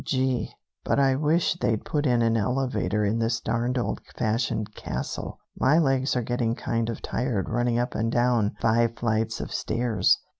"Gee, but I wish they'd put in an elevator in this darned old fashioned castle! My legs are getting kind of tired running up and down five flights of stairs."